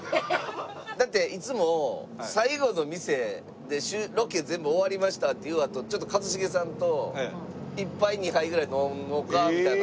だっていつも最後の店でロケ全部終わりましたっていうあと一茂さんと「１杯２杯ぐらい飲もうか」みたいな。